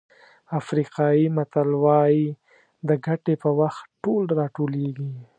افریقایي متل وایي د ګټې په وخت ټول راټولېږي.